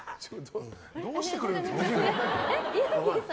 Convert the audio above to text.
どうしてくれるんですか。